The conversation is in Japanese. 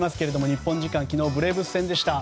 日本時間、昨日ブレーブス戦でした。